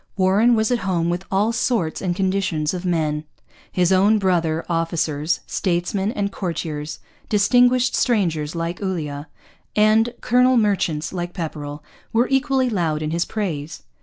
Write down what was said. Warren was at home with all sorts and conditions of men. His own brother officers, statesmen and courtiers, distinguished strangers like Ulloa, and colonial merchants like Pepperrell, were equally loud in his praise.